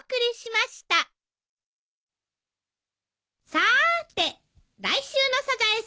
さーて来週の『サザエさん』は？